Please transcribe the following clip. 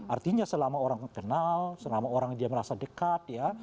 artinya selama orang kenal selama orang dia merasa dekat ya